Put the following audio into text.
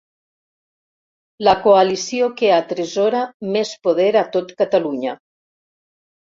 La coalició que atresora més poder a tot Catalunya.